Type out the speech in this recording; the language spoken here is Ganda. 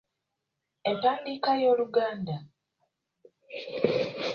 Empandiika y’Oluganda.